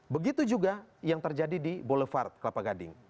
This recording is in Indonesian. begitu juga yang terjadi di boulevard kelapa gading